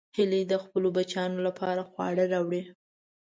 هیلۍ د خپلو بچیانو لپاره خواړه راوړي